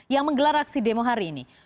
yang menggelar aksi demo hari ini